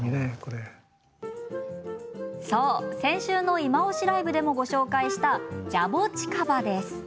そう、先週の「いまオシ！ＬＩＶＥ」でもご紹介した、ジャボチカバ。